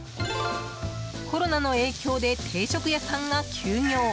コロナの影響で定食屋さんが休業。